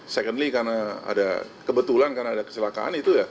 secondly karena ada kebetulan karena ada kecelakaan itu ya